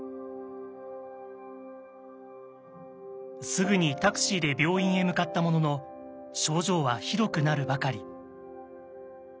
すぐにタクシーで病院へ向かったものの症状はひどくなるばかり。